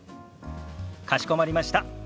かしこまりました。